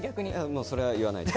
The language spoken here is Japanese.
それは言えないです。